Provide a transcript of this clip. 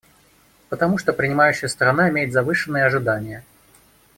Потому что принимающая страна имеет завышенные ожидания.